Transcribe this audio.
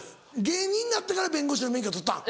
芸人になってから弁護士の免許取ったん？